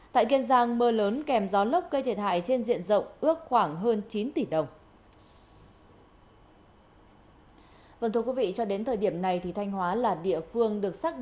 tại kiên giang mưa lớn kèm gió lốc gây thiệt hại trên diện rộng ước khoảng hơn chín tỷ đồng